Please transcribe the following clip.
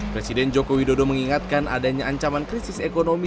presiden jokowi dodo mengingatkan adanya ancaman krisis ekonomi